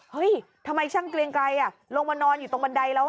ทำไมช่างเกลียงไกรลงมานอนอยู่ตรงบันไดแล้ว